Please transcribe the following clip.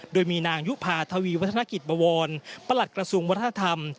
โดยมีนางยุภาทวีวัฒนกิจบวรประหลัดกระทรวงวัฒนธรรม